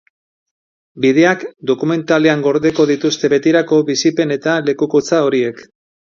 Bideak dokumentalean gordeko dituzte betirako bizipen eta lekukotza horiek.